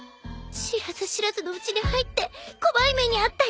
知らず知らずのうちに入って怖い目に遭ったり。